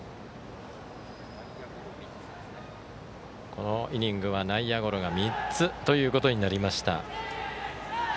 このイニングは内野ゴロが３つということになりました。